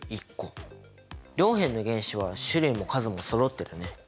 両辺の原子は種類も数もそろってるね。